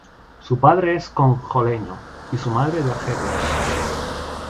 Su padre es congoleño y su madre, de Argelia.